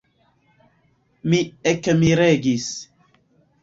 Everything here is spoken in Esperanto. Mi ekmiregis.